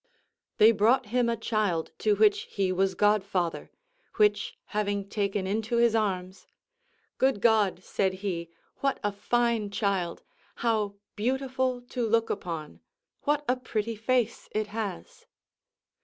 They brought him a child to which he was god father, which, having taken into his arms, "Good God," said he, "what a fine child! How beautiful to look upon! what a pretty face it has!"